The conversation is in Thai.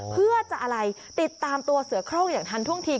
เพื่อจะอะไรติดตามตัวเสือโครงอย่างทันท่วงที